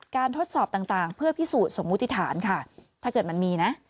ทดสอบต่างเพื่อพิสูจน์สมมุติฐานค่ะถ้าเกิดมันมีนะ